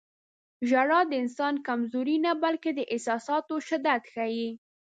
• ژړا د انسان کمزوري نه، بلکې د احساساتو شدت ښيي.